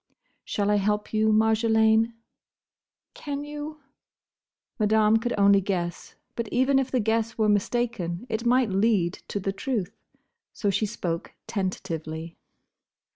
"Shall I help you, Marjolaine?" "Can you?" Madame could only guess; but even if the guess were mistaken, it might lead to the truth. So she spoke tentatively.